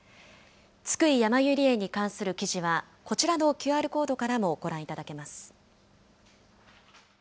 津久井やまゆり園に関する記事は、こちらのＱＲコードからもご覧いただけます。